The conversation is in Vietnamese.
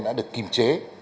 đã được kìm chế